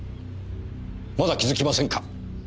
まだ気づきませんか？